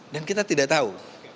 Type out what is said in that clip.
dan kita tidak tahu